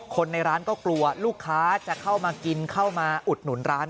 คนในร้านก็กลัวลูกค้าจะเข้ามากินเข้ามาอุดหนุนร้าน